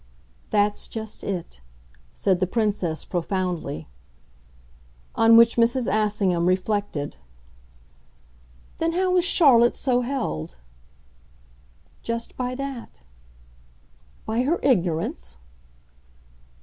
"That's just it," said the Princess profoundly. On which Mrs. Assingham reflected. "Then how is Charlotte so held?" "Just by that." "By her ignorance?"